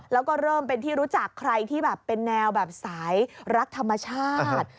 แล้วก็เริ่มเป็นที่รู้จักใครที่แบบเป็นแนวแบบสายรักธรรมชาติ